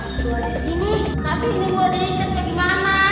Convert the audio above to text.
aku ada disini tapi ini gue ada di tempat gimana